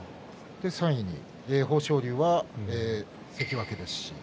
３位の豊昇龍は関脇です。